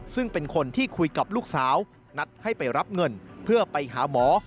ซึ่งเป็นคนที่คุยกับลูกสาวนัดให้ไปรับเงินเพื่อไปหาหมอ